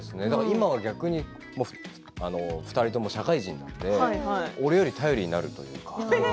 今は逆に２人とも社会人なので頼りになるというか。